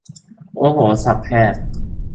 โอ้โห ศัพท์แพทย์